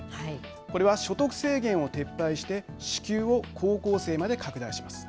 これは所得制限を撤廃して支給を高校生まで拡大します。